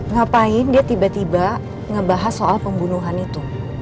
ngapain dia tiba tiba ngebahas soal pembunuhan itu